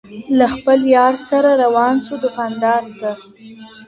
له خپل یار سره روان سو دوکاندار ته!